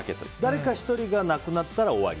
誰か１人がなくなったら終わり？